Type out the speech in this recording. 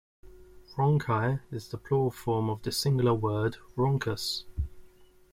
"Rhonchi" is the plural form of the singular word "rhonchus".